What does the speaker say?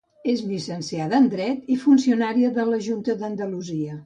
És llicenciada en Dret i funcionària de la Junta d'Andalusia.